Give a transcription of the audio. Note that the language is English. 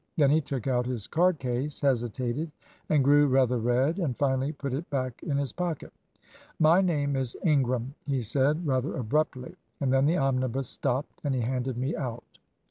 Then he took out his card case, hesitated, and grew rather red, and finally put it back in his pocket. 'My name is Ingram,' he said, rather abruptly; and then the omnibus stopped, and he handed me out.